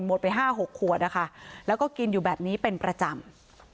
ไป๕๖ขวดนะคะแล้วก็กินอยู่แบบนี้เป็นประจำ